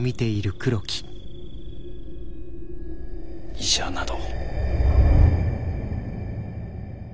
医者など。